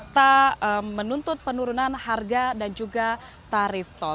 tak menuntut penurunan harga dan juga tarif tol